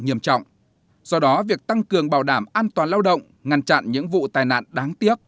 nghiêm trọng do đó việc tăng cường bảo đảm an toàn lao động ngăn chặn những vụ tai nạn đáng tiếc